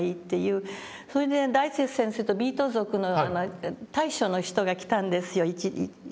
それで大拙先生とビート族の大将の人が来たんですよ